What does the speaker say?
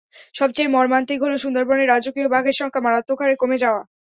সবচেয়ে মর্মান্তিক হলো সুন্দরবনের রাজকীয় বাঘের সংখ্যা মারাত্মক হারে কমে যাওয়া।